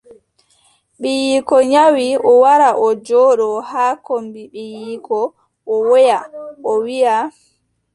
Ɓiiyiiko nyawi, o wara o jooɗo haa kombi ɓiiyiiko o woya o wiiʼa.